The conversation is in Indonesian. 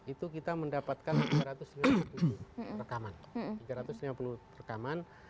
itu kita mendapatkan tiga ratus lima puluh rekaman